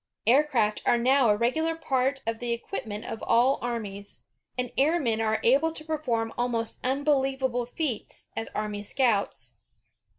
Air craft are now a regular part of the equipment of all armies, and airmen are able to perform almost imbelievable feats as army scouts.